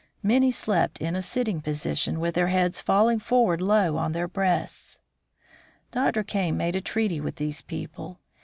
Many slept in a sitting position, with their heads falling forward low on their breasts. Dr. Kane made a treaty with these people.